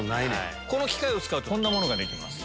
この機械を使うとこんなものができます。